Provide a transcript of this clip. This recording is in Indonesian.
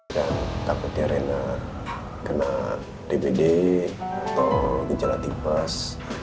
dan takutnya rena kena dpd atau gejala tipas